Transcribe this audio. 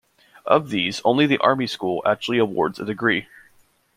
Of these, only the Army school actually awards a degree.